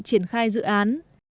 triển khai dự án